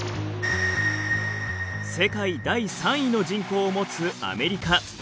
世界第３位の人口を持つアメリカ。